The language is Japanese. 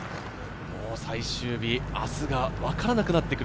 最終日、明日が分からなくなってくる。